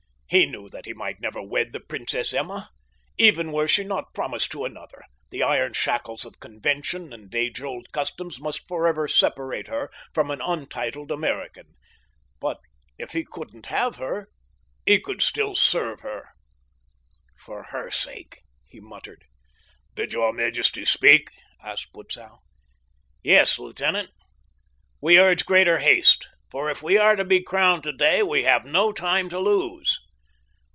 He knew that he might never wed the Princess Emma. Even were she not promised to another, the iron shackles of convention and age old customs must forever separate her from an untitled American. But if he couldn't have her he still could serve her! "For her sake," he muttered. "Did your majesty speak?" asked Butzow. "Yes, lieutenant. We urge greater haste, for if we are to be crowned today we have no time to lose."